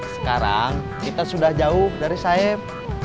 sekarang kita sudah jauh dari sayep